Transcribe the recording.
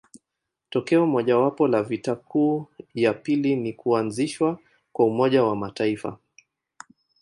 Tokeo mojawapo la vita kuu ya pili ni kuanzishwa kwa Umoja wa Mataifa.